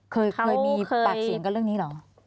เคยมีปากเสียงกันเรื่องนี้เหรอ